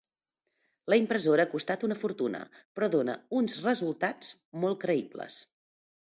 La impressora ha costat una fortuna, però dona uns resultats molt creïbles.